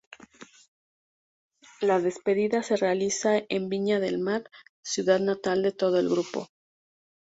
La despedida se realiza en Viña del Mar, ciudad natal de todo el grupo.